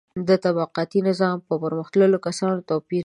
د طبقاتي نظام پر مختلفو کسانو توپیر دی.